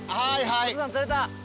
お父さん釣れた。